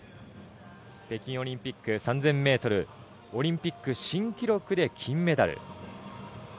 北京オリンピック３０００ｍ、オリンピック新種目で金メダル。